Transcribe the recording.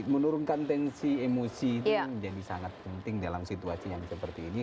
ia menurungkan tensi emosi yang menjadi sangat penting dalam situasi seperti ini